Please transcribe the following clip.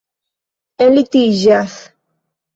enlitiĝas